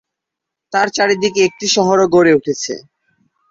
তার চারদিকে একটি শহরও গড়ে উঠেছে।